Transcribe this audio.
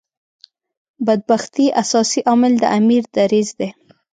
بدبختۍ اساسي عامل د امیر دریځ دی.